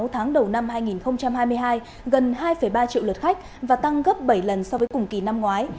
sáu tháng đầu năm hai nghìn hai mươi hai gần hai ba triệu lượt khách và tăng gấp bảy lần so với cùng kỳ năm ngoái